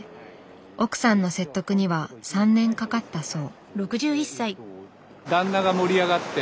奥さんの説得には３年かかったそう。